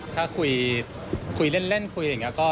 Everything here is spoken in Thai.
ถ้าคุยเล่นคุยอะไรอย่างนี้